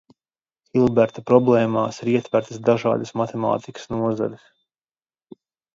Hilberta problēmās ir ietvertas dažādas matemātikas nozares.